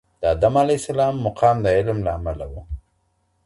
د آدم عليه السلام مقام د علم له امله و.